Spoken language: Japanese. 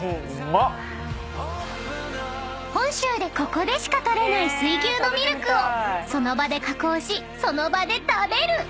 ［本州でここでしか取れない水牛のミルクをその場で加工しその場で食べる！］